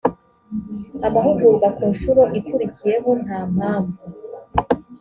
amahugurwa ku nshuro ikurikiyeho nta mpamvu